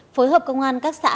phối hợp công an các xã